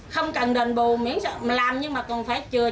không cần đền bù miễn sợ làm nhưng mà còn phải chừa chỗ để dân ở